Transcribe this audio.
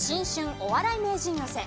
お笑い名人寄席。